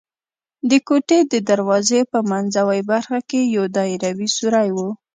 د کوټې د دروازې په منځوۍ برخه کې یو دایروي سوری و.